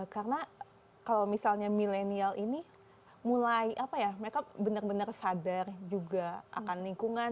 karena kalau misalnya milenial ini mulai apa ya mereka benar benar sadar juga akan lingkungan